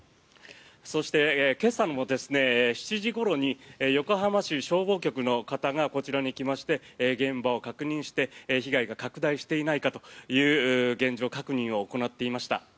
そして今朝７時ごろに横浜市消防局の方がこちらに来まして現場を確認して被害が拡大していないかという現状確認を行っていました。